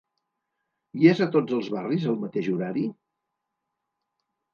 I es a tots els barris el mateix horari?